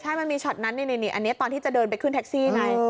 ใช่มันมีช็อตนั้นนี่อันนี้ตอนที่จะเดินไปขึ้นแท็กซี่ไง